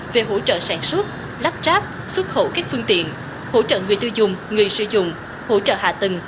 về hỗ trợ sản xuất lắp ráp xuất khẩu các phương tiện hỗ trợ người tiêu dùng người sử dụng hỗ trợ hạ tầng